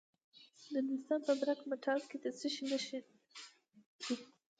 د نورستان په برګ مټال کې د څه شي نښې دي؟